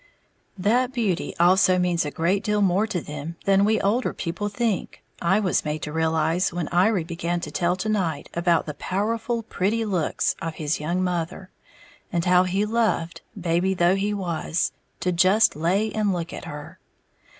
That beauty also means a great deal more to them than we older people think, I was made to realize when Iry began to tell to night about the "powerful pretty looks" of his young mother, and how he loved, baby though he was, to "just lay and look at her."